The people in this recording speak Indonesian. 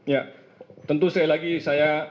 ya tentu sekali lagi saya